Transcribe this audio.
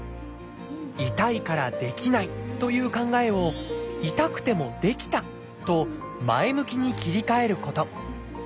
「痛いからできない」という考えを「痛くてもできた」と前向きに切り替えること。